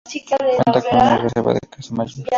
Cuenta con una reserva de caza mayor.